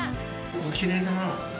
きれいだな。